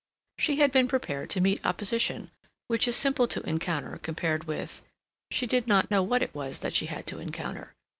She had been prepared to meet opposition, which is simple to encounter compared with—she did not know what it was that she had to encounter.